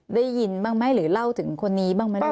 ได้ยินบ้างไหมหรือเล่าถึงคนนี้บ้างไหมเนี่ย